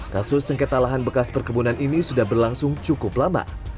kasus sengketa lahan bekas perkebunan ini sudah berlangsung cukup lama